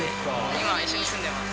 今、一緒に住んでます。